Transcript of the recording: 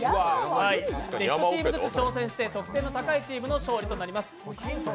１チームずつ挑戦して得点の高いチームの勝利となります。